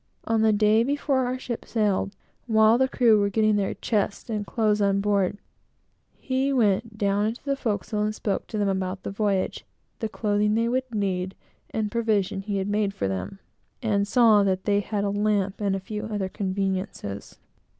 On the day before our ship sailed, while the crew were getting their chests and clothes on board, he went down into the forecastle and spoke to them about the voyage, the clothing they would need, the provision he had made for them, and saw that they had a lamp and a few other conveniences.